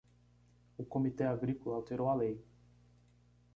O Comitê Agrícola alterou a lei